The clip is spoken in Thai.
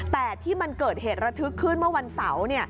แต่ที่มันเกิดเหตุระทึกขึ้นเมื่อวันเสาร์